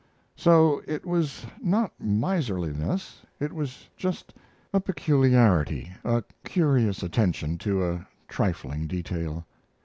So it was not miserliness; it was just a peculiarity, a curious attention to a trifling detail.